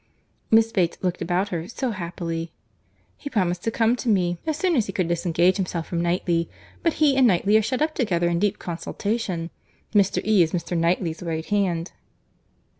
Miss Bates looked about her, so happily—! "He promised to come to me as soon as he could disengage himself from Knightley; but he and Knightley are shut up together in deep consultation.—Mr. E. is Knightley's right hand."